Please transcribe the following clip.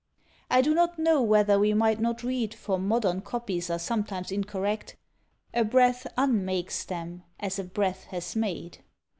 _ I do not know whether we might not read, for modern copies are sometimes incorrect, A breath unmakes them, as a breath has made.